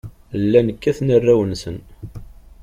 Llan kkaten arraw-nsen.